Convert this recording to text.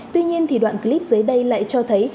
tuy nhiên đoạn clip dưới đây lại cho thấy